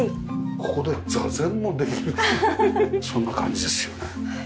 ここで座禅もできるそんな感じですよね。